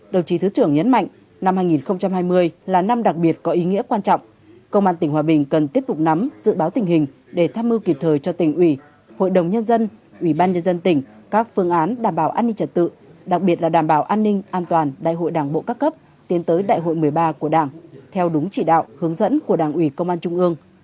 đồng chí thứ trưởng nhấn mạnh năm hai nghìn hai mươi là năm đặc biệt có ý nghĩa quan trọng công an tỉnh hòa bình cần tiếp tục nắm dự báo tình hình để tham mưu kịp thời cho tỉnh ủy hội đồng nhân dân ủy ban nhân dân tỉnh các phương án đảm bảo an ninh trật tự đặc biệt là đảm bảo an ninh an toàn đại hội đảng bộ các cấp tiến tới đại hội một mươi ba của đảng theo đúng chỉ đạo hướng dẫn của đảng ủy công an trung ương